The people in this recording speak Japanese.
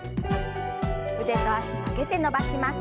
腕と脚曲げて伸ばします。